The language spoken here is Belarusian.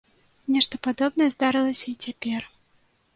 Нешта падобнае здарылася і цяпер.